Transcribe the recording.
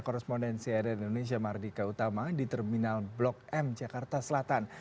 korrespondensi rn indonesia mardika utama di terminal blok m jakarta selatan